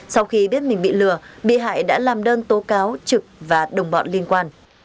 sau khi biết mình bị lừa bị hại đã làm đơn tố cáo trực và đồng bọn liên quan